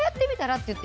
って言って。